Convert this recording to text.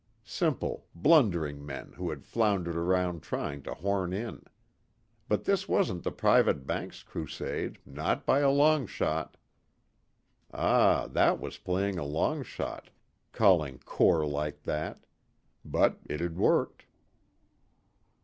Simple, blundering men who had floundered around trying to horn in. But this wasn't the private banks crusade, not by a long shot. Ah, that was playing a long shot calling Core like that. But it had worked.